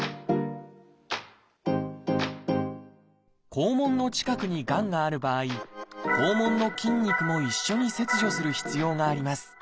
肛門の近くにがんがある場合肛門の筋肉も一緒に切除する必要があります